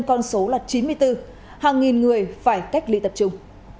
con số là chín mươi bốn hàng nghìn người phải cách ly tập trung